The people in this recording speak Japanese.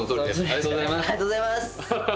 ありがとうございます！